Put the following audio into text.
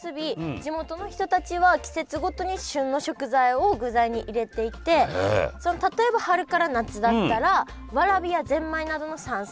地元の人たちは季節ごとに旬の食材を具材に入れていて例えば春から夏だったらわらびやぜんまいなどの山菜。